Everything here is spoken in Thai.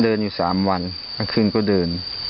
เดินอยู่๓วันกลางคืนก็เดิน